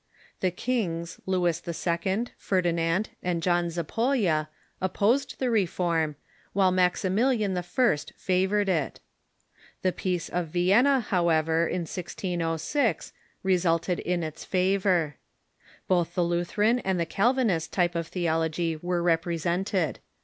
The kings Lewis II., Ferdinand, and John Zapolya opposed the reform, while Maximilian I. favored it. The Peace of Vienna, how ever, in 1606, resulted in its favor. Both the Lutheran and the Calvinist type of theology were represented.